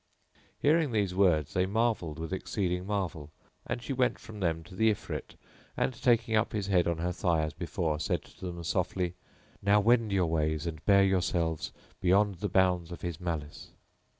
Hearing these words they marvelled with exceeding marvel, and she went from them to the Ifrit and, taking up his head on her thigh as before, said to them softly, "Now wend your ways and bear yourselves beyond the bounds of his malice."